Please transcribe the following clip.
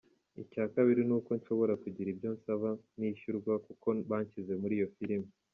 "Icya kabiri, ni uko nshobora kugira ibyo nsaba nishyurwa kuko banshyize muri iyo filime.